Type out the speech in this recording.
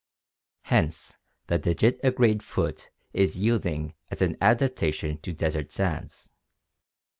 Hence the digitigrade foot is yielding as an adapta tion to desert sands.